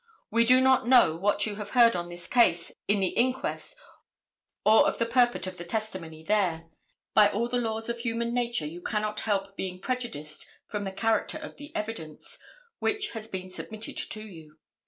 We do not know what you have heard on this case in the inquest or of the purport of the testimony there. By all the laws of human nature you cannot help being prejudiced from the character of the evidence which has been submitted to you.